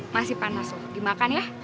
masih panas dimakan ya